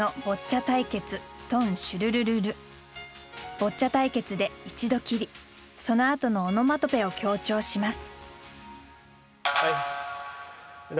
「ボッチャ対決」で一度切りそのあとのオノマトペを強調します。